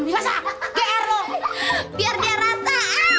dimandiin di mari